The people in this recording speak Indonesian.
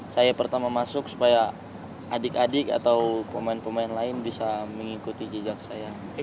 saya pertama masuk supaya adik adik atau pemain pemain lain bisa mengikuti jejak saya